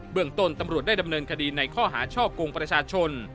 เมืองต้นตำรวจได้ดำเนินคดีในข้อหาช่อกงประชาชน